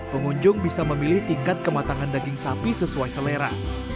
pengunjung bisa memilih tingkat kematangan daging sapi sesuai selera